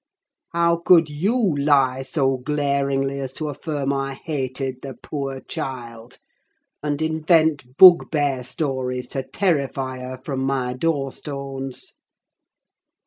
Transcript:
"How could you lie so glaringly as to affirm I hated the 'poor child'? and invent bugbear stories to terrify her from my door stones?